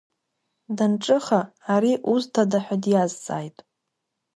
Данҿыха, ари узҭада ҳәа диазҵааит.